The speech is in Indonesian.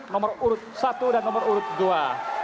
nomor urut satu dan nomor urut dua